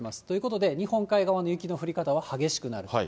ということで、日本海側の雪の降り方は激しくなる。